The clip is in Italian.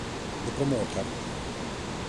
The Promoter